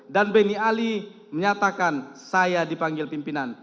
dan benny ali menyatakan saya dipanggil pimpinan